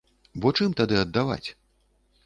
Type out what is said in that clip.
Бо чым тады аддаваць?